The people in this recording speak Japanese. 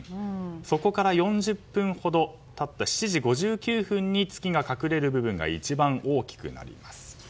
そこから４０分ほど経った７時５９分に月が隠れる部分が一番大きくなります。